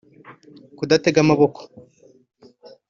kudatega amaboko